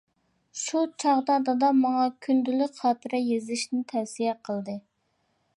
شۇ چاغدا دادام ماڭا كۈندىلىك خاتىرە يېزىشنى تەۋسىيە قىلدى.